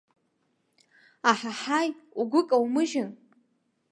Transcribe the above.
Аҳаҳаи, угәы каумыжьын.